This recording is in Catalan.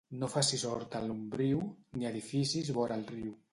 No facis horta a l'ombriu, ni edificis vora el riu.